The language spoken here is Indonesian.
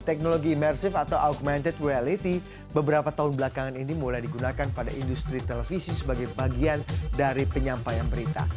teknologi imersif atau augmented reality beberapa tahun belakangan ini mulai digunakan pada industri televisi sebagai bagian dari penyampaian berita